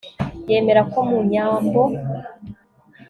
Yemera ko mu nyambo